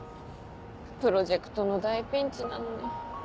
プロジェクトの大ピンチなのに。